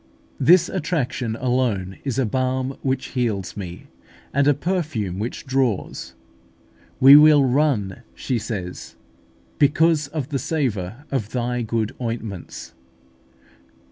This attraction alone is a balm which heals me, and a perfume which draws. "We will run," she says, "because of the savour of Thy good ointments."